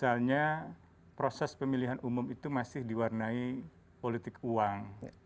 misalnya proses pemilihan umum itu masih diwarnai politik uang